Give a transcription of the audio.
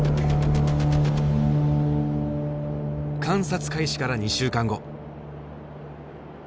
観察開始から２週間後。